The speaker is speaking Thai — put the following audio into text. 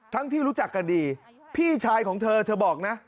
ที่รู้จักกันดีพี่ชายของเธอเธอบอกนะ